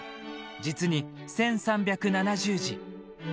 実に、１３７０字！